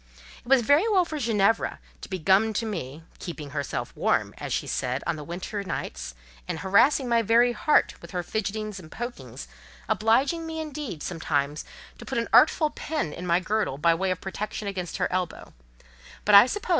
It was very well for Ginevra to be gummed to me, "keeping herself warm," as she said, on the winter evenings, and harassing my very heart with her fidgetings and pokings, obliging me, indeed, sometimes to put an artful pin in my girdle by way of protection against her elbow; but I suppose M.